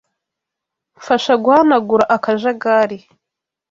Mfasha guhanagura akajagari.